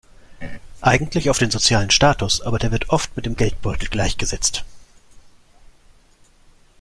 Eigentlich auf den sozialen Status, aber der wird oft mit dem Geldbeutel gleichgesetzt.